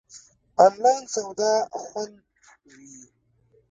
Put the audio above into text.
آنلاین سودا خوندی وی؟